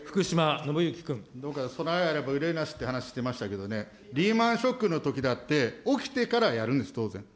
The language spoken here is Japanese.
どうか、備えあればうれいなしという話してましたけどね、リーマンショックのときだって、起きてからやるんです、当然。